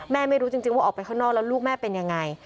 ไม่รู้จริงว่าออกไปข้างนอกแล้วลูกแม่เป็นยังไง